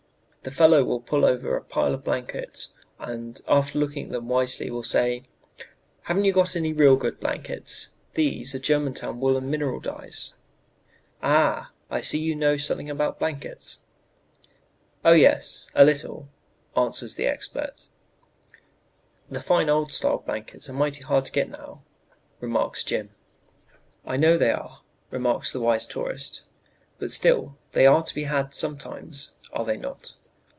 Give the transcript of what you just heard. The fellow will pull over a pile of blankets, and after looking at them wisely, will say, 'Haven't you got any real good blankets? These are Germantown wool and mineral dyes.' "Then Jim will say 'Ah, I see you know something about blankets.' "'Oh, yes; a little,' answers the expert. "'The fine old style blankets are mighty hard to get now,' remarks Jim. "'I know they are,' remarks the wise tourist, 'but still they are to be had sometimes, are they not?